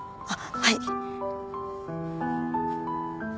はい。